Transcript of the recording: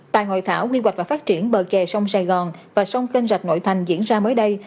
tại hội thảo quy hoạch và phát triển bờ kè sông sài gòn và sông kênh rạch nội thành diễn ra mới đây